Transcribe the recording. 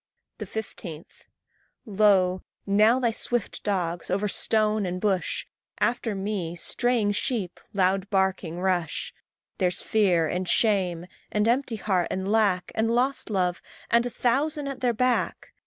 15. Lo! now thy swift dogs, over stone and bush, After me, straying sheep, loud barking, rush. There's Fear, and Shame, and Empty heart, and Lack, And Lost love, and a thousand at their back!